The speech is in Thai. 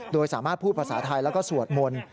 โดยสามารถพูดภาษาไทยแล้วก็สวดมนต์